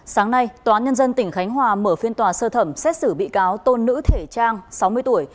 sáng nay tòa án nhân dân tỉnh khánh hòa mở phiên tòa sơ thẩm xét xử bị cáo tôn nữ thể trang sáu mươi tuổi